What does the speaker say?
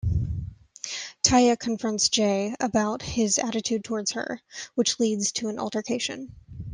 Tia confronts Jai about his attitude towards her, which leads to an altercation.